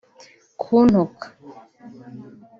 kuntuka